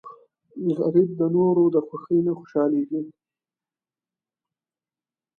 غریب د نورو د خوښۍ نه خوشحالېږي